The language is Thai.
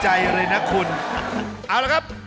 จริงเหรอครับ